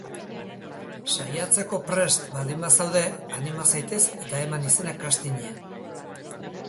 Saiatzeko prest baldin bazaude, anima zaitez eta eman izena castingean.